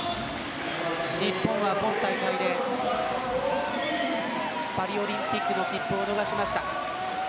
日本は今大会でパリオリンピックの切符を逃しました。